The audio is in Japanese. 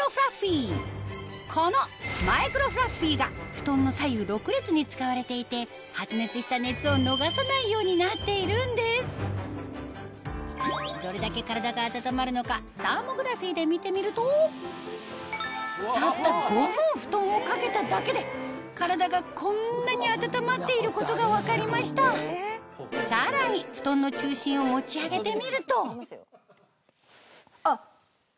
このマイクロフラッフィーが布団の左右６列に使われていてようになっているんですどれだけ体が温まるのかサーモグラフィーで見てみるとたった５分布団を掛けただけで体がこんなに温まっていることが分かりましたさらに布団の中心を持ち上げてみるとあっ。